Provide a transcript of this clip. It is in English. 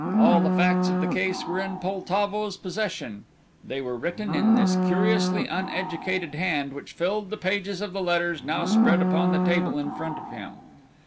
All the facts of the case were in Poltavo's possession; they were written in this curiously uneducated hand which filled the pages of the letters now spread upon the table in front of him.